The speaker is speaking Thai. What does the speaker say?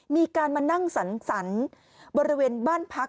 มีการมานั่งสรรบริเวณบ้านพัก